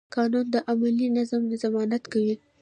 قانون د عملي نظم ضمانت کوي.